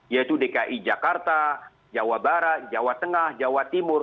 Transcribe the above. yaitu dki jakarta jawa barat jawa tengah jawa timur